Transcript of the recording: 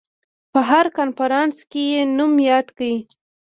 په هر کنفرانس کې یې نوم یاد کړ.